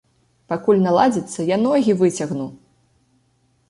Пакуль наладзіцца, я ногі выцягну!